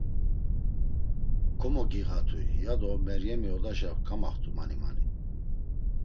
“Komogiğatu.” ya do Meryemi odaşa kamaxt̆u mani mani.